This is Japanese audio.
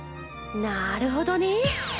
なるほどね。